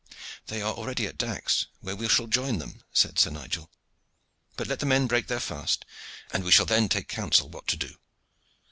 "They are already at Dax, where we shall join them," said Sir Nigel. "But let the men break their fast, and we shall then take counsel what to do."